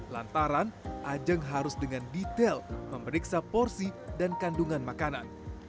lantaran ajang harus dengan detail memeriksa porsi dan kandungan makanan